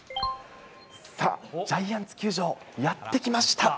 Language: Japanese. ジャイアンツ球場、やって来ました。